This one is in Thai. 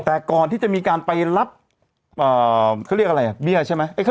แต่ก่อนที่จะมีการไปรับเขาเรียกอะไรเบี้ยใช่ไหม